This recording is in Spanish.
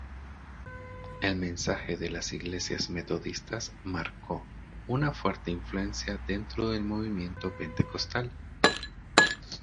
El mensaje de las iglesias metodistas marcó una fuerte influencia dentro del movimiento pentecostal.